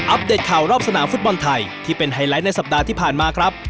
เดตข่าวรอบสนามฟุตบอลไทยที่เป็นไฮไลท์ในสัปดาห์ที่ผ่านมาครับ